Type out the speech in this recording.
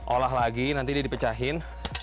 olah lagi nanti di pecahin